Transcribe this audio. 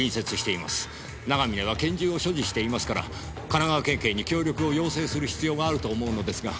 長嶺は拳銃を所持していますから神奈川県警に協力を要請する必要があると思うのですが。